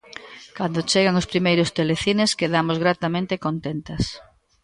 Cando chegan os primeiros telecines, quedamos gratamente contentas.